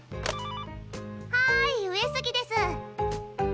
はーい上杉です